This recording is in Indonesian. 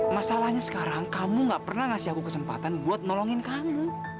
masalahnya sekarang kamu gak pernah ngasih aku kesempatan buat nolongin kamu